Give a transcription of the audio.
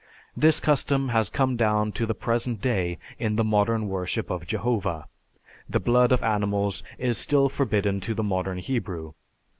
This custom has come down to the present day in the modern worship of Jehovah; the blood of animals is still forbidden to the modern Hebrew.